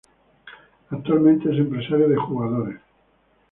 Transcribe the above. Actualmente es empresario de jugadores.